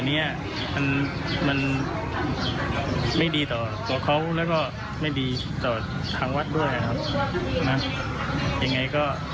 เรื่องเงินช่วยได้